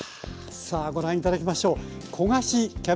さあご覧頂きましょう。